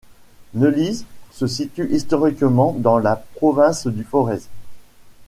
Neulise se situe historiquement dans la province du Forez.